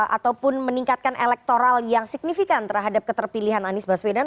ataupun meningkatkan elektoral yang signifikan terhadap keterpilihan anies baswedan